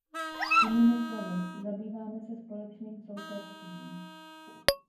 Jinými slovy, zabýváme se společným sousedstvím.